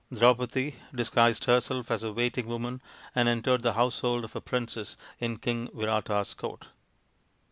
Draupadi disguised herself as a waiting woman and entered the household of a princess in King Virata's court.